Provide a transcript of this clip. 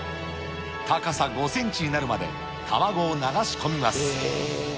高さ５センチになるまで卵を流し込みます。